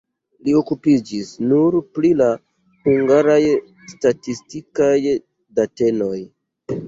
Li okupiĝis nur pri la hungaraj statistikaj datenoj.